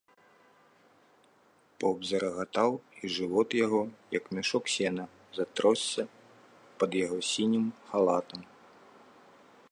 Поп зарагатаў, і жывот яго, як мяшок сена, затросся пад яго сінім халатам.